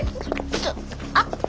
ちょあっ。